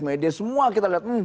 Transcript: media semua kita lihat